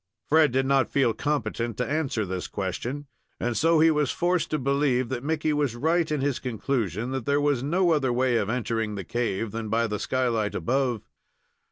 Fred did not feel competent to answer this question, and so he was forced to believe that Mickey was right in his conclusion that there was no other way of entering the cave than by the skylight above.